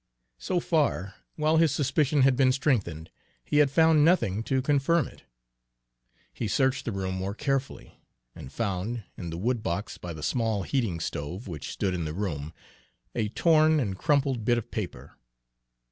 So far, while his suspicion had been strengthened, he had found nothing to confirm it. He searched the room more carefully, and found, in the wood box by the small heating stove which stood in the room, a torn and crumpled bit of paper.